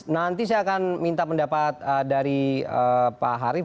nanti saya akan minta pendapat dari pak harif